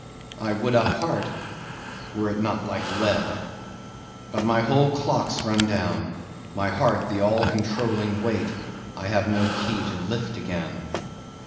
I would up heart, were it not like lead. But my whole clock's run down; my heart the all controlling weight, I have no key to lift again.